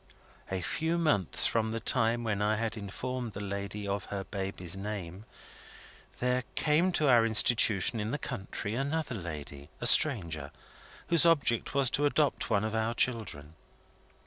A few months from the time when I had informed the lady of her baby's name, there came to our institution in the country another lady (a stranger), whose object was to adopt one of our children.